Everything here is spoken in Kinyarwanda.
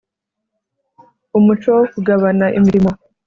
umuco wo kugabana imirimo